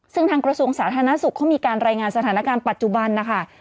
ซึ่งทางกระทรวงสาธารณสุขเขามีการรายงานสถานการณ์ปัจจุบันนะคะ